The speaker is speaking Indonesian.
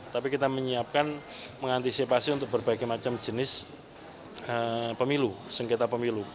tapi kita menyiapkan mengantisipasi untuk berbagai macam jenis pemilu sengketa pemilu